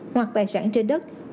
hoặc bài sản trên đất